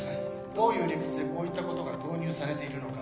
どういう理屈でこういったことが導入されているのか。